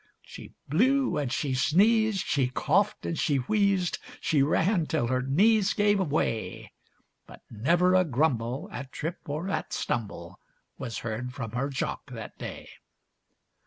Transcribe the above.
She blew and she sneezed, she coughed and she wheezed, She ran till her knees gave way. But never a grumble at trip or at stumble Was heard from her jock that day.